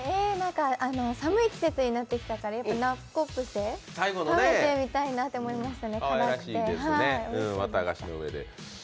寒い季節になってきたからナッコプセ、食べてみたいなと思いました。